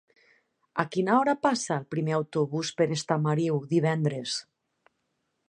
A quina hora passa el primer autobús per Estamariu divendres?